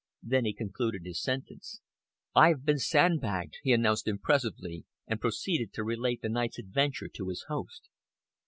Then he concluded his sentence. "I have been sandbagged," he announced impressively, and proceeded to relate the night's adventure to his host.